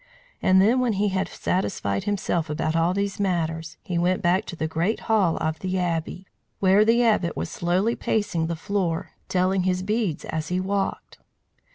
And then when he had satisfied himself about all these matters, he went back to the great hall of the Abbey, where the Abbot was slowly pacing the floor, telling his beads as he walked.